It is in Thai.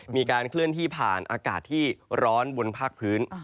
มีการเคลื่อนที่ผ่านอากาศที่ร้อนบนภาคพื้น